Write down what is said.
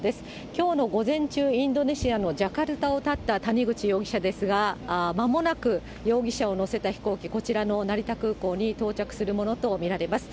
きょうの午前中、インドネシアのジャカルタを発った谷口容疑者ですが、まもなく容疑者を乗せた飛行機、こちらの成田空港に到着するものと見られます。